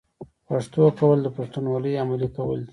پښتو کول د پښتونولۍ عملي کول دي.